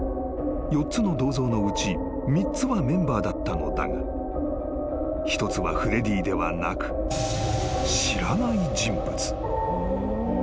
［４つの銅像のうち３つはメンバーだったのだが１つはフレディではなく知らない人物］